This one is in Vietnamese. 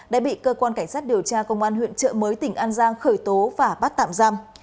đã bị cơ quan cảnh sát điều tra công an huyện trợ mới tỉnh an giang khởi tố và bắt tạm giam